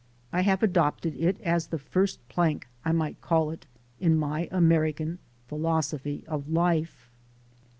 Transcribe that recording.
I have adopted it as the first plank, I might call it, in my American philosophy of life.